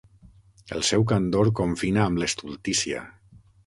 El seu candor confina amb l'estultícia.